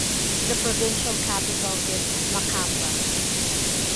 The provincial capital is Makamba.